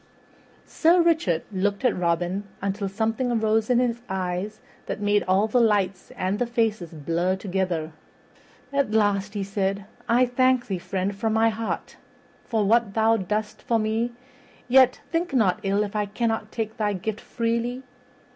Sir Richard looked at Robin until something arose in his eyes that made all the lights and the faces blur together. At last he said, "I thank thee, friend, from my heart, for what thou doest for me; yet, think not ill if I cannot take thy gift freely.